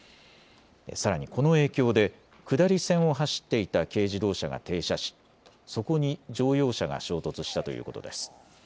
さらに、この影響で下り線を走っていた軽自動車が停車しそこに乗用車が衝突したということです。